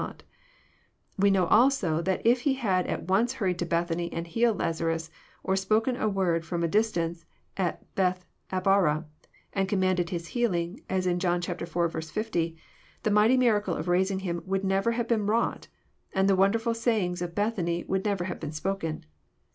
But we know also that if Ue had at once hurried to Bethany and healed Lazarus, or spoken ajword from a dis tance at Bethabara and commanded his healing, as in John iv. 60, the mighty miracle of raising ^IHr would never have been wrought, and the wonderful sayings' of Bethany would never have been spoken.